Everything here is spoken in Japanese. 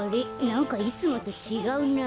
なんかいつもとちがうな。